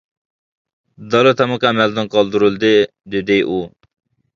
-دالا تامىقى ئەمەلدىن قالدۇرۇلدى، -دېدى ئۇ.